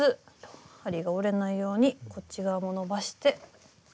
針が折れないようにこっち側も伸ばして。